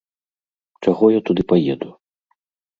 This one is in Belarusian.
Чаго я туды паеду?